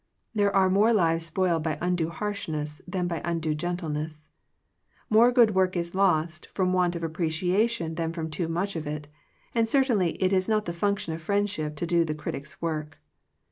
There are more lives spoiled by undue harshness, than by undue gentleness. More good work is lost from want of appreciation than from too much of it; and certainly it is not the function of friendship to do the critic's work.